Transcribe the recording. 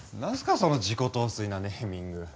その自己陶酔なネーミング。